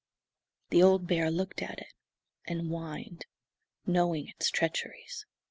The old bear looked at it, and whined, knowing its treacheries.